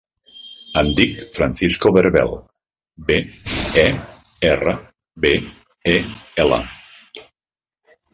Em dic Francisco Berbel: be, e, erra, be, e, ela.